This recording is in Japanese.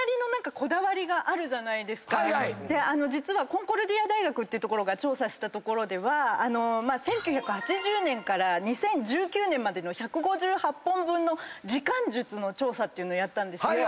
実はコンコルディア大学って所が調査したところでは１９８０年から２０１９年まで１５８本分の時間術の調査っていうのをやったんですよ。